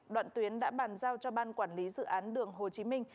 đoạn tuyến đã bàn giao cho ban quản lý dự án đường hồ chí minh